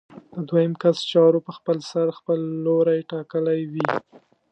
د دویم کس چارو په خپلسر خپل لوری ټاکلی وي.